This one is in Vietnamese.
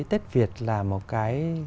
tết việt là một cái